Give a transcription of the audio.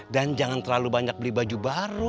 dan jangan terlalu banyak beli baju baru